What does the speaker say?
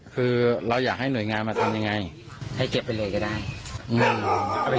คือเราอยากให้หน่วยงานมาทำยังไงให้เก็บไปเลยก็ได้อืม